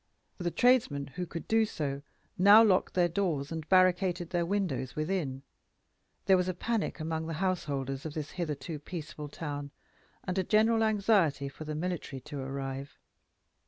The tradesmen who could do so now locked their doors and barricaded their windows within. There was a panic among the householders of this hitherto peaceful town, and a general anxiety for the military to arrive.